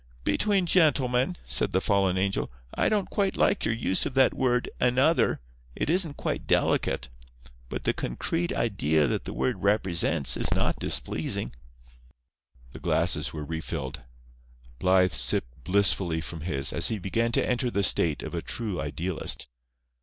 "Between gentlemen," said the fallen angel, "I don't quite like your use of that word 'another.' It isn't quite delicate. But the concrete idea that the word represents is not displeasing." The glasses were refilled. Blythe sipped blissfully from his, as he began to enter the state of a true idealist.